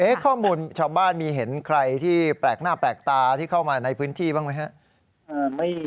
ข้อมูลชาวบ้านมีเห็นใครที่แปลกหน้าแปลกตาที่เข้ามาในพื้นที่บ้างไหมครับ